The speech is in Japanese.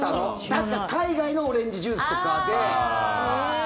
確かに海外のオレンジジュースとかで。